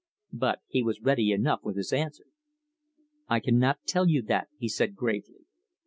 But he was ready enough with his answer. "I cannot tell you that," he said gravely.